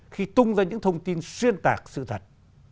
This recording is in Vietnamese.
khi tung ra những thông tin xuyên tạc sự thật